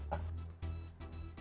ini adalah hal yang sangat penting